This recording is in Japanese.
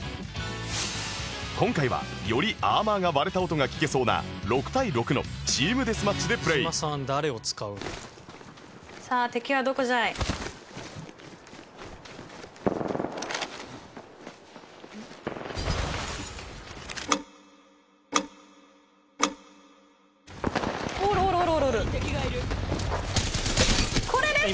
今回はよりアーマーが割れた音が聴けそうな６対６のチームデスマッチでプレイ「」「」「」「」これです